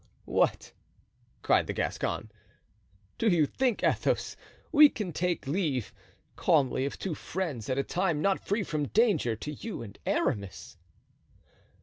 "What!" cried the Gascon, "do you think, Athos, we can take leave, calmly, of two friends at a time not free from danger to you and Aramis?"